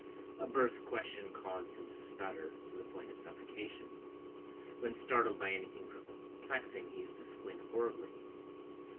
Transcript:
A brusque question caused him to stutter to the point of suffocation. When startled by anything perplexing he used to squint horribly.